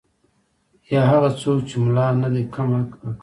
یا هغه څوک چې ملا نه دی کم حق لري.